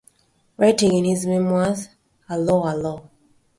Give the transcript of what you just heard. Writing in his memoirs, 'Allo 'Allo!